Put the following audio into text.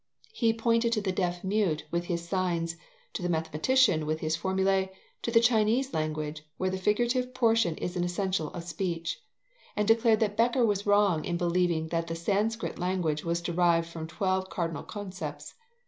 He pointed to the deaf mute with his signs, to the mathematician with his formulae, to the Chinese language, where the figurative portion is an essential of speech, and declared that Becker was wrong in believing that the Sanskrit language was derived from twelve cardinal concepts.